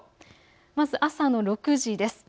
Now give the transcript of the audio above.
まず朝６時です。